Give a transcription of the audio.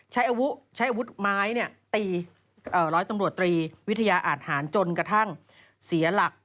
ใช้อาวุธไม้ตีร้อยตำรวจตรีวิทยาอาทหารจนกระทั่งเสียหลัก